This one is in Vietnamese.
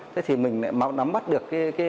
thế thì mình lại nắm mắt được cái